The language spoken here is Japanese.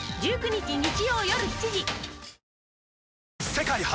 世界初！